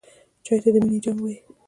چای ته د مینې جام وایم.